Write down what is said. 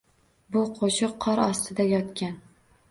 Bu qoʻshiq qor ostida yotgan